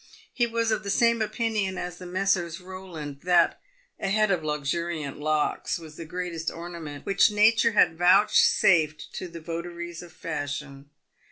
He was of the same opinion as the Messrs. Eowland — that a head of luxuriant locks was the greatest ornament which nature had vouchsafed to the votaries of fashion.